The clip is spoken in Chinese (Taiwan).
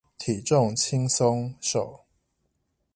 體重輕鬆瘦